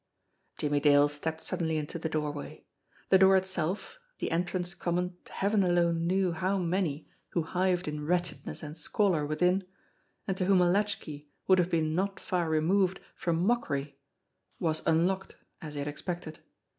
Jimmie Dale stepped suddenly into the doorway. The door itself, the entrance common to heaven alone knew how many who hived in wretchedness and squalor within, and to whom a latchkey would have been not far removed from mockery, was unlocked as he had expected.